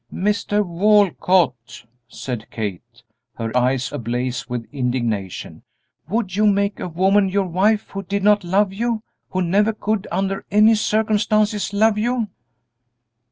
"Mr. Walcott," said Kate, her eyes ablaze with indignation, "would you make a woman your wife who did not love you who never could, under any circumstances, love you?"